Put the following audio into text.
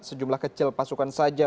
sejumlah kecil pasukan saja